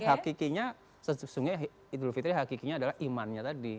hakikatnya sesungguhnya idul fitri hakikatnya adalah imannya tadi